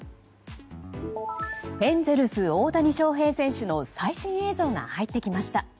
エンゼルス大谷翔平選手の最新映像が入ってきました。